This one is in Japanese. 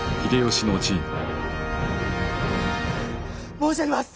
申し上げます。